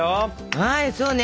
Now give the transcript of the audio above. はいそうね。